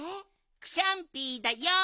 クシャンピーだよん！